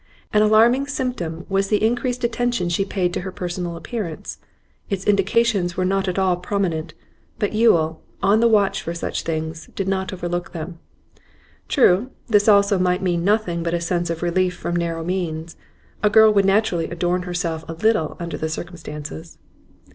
An alarming symptom was the increased attention she paid to her personal appearance; its indications were not at all prominent, but Yule, on the watch for such things, did not overlook them. True, this also might mean nothing but a sense of relief from narrow means; a girl would naturally adorn herself a little under the circumstances.